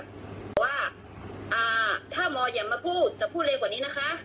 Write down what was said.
บอกว่าถ้ามอย่ามาพูดจะพูดเร็วกว่านี้นะคะ